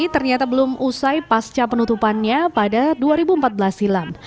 ternyata belum usai pasca penutupannya pada dua ribu empat belas silam